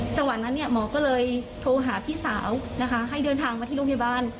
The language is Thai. จังหวะนั้นเนี่ยหมอก็เลยโทรหาพี่สาวนะคะให้เดินทางมาที่โรงพยาบาล